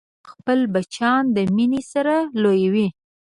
غوا خپل بچیان د مینې سره لویوي.